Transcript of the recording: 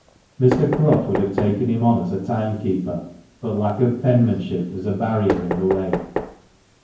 Mr. Clough would have taken him on as a timekeeper, but lack of penmanship was a barrier in the way.